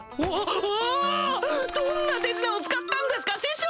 どんな手品を使ったんですか師匠！